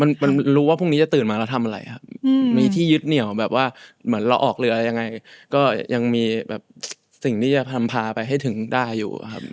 มันรู้ว่าพรุ่งนี้จะตื่นมาเราทำอะไรครับมีที่ยึดเหนียวแบบว่าเหมือนเราออกเรือยังไงก็ยังมีแบบสิ่งที่จะนำพาไปให้ถึงได้อยู่ครับ